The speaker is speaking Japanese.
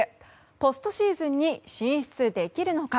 ポストシーズンに進出できるのか。